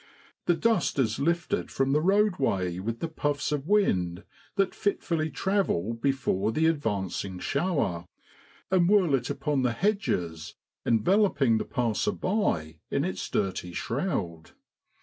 The dust is lifted from the roadway with the puffs of wind that fitfully travel before the advancing shower, and whirl it upon the hedges, enveloping the passer by in its dirty shroud.